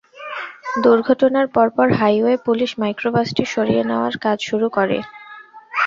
দুর্ঘটনার পর পর হাইওয়ে পুলিশ মাইক্রোবাসটি সরিয়ে নেওয়ার কাজ শুরু করে।